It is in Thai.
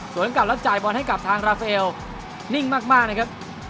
ส่วนกลับแล้วจ่ายบอลให้กับทางราเฟลนิ่งมากนะครับ